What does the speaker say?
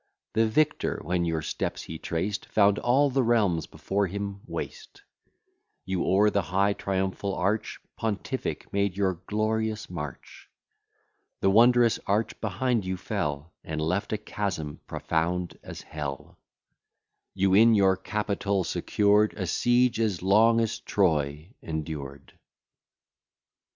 The victor, when your steps he traced, Found all the realms before him waste: You, o'er the high triumphal arch Pontific, made your glorious march: The wondrous arch behind you fell, And left a chasm profound as hell: You, in your capitol secured, A siege as long as Troy endured.